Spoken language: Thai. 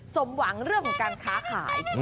สมหวังเรื่องของการค้าขาย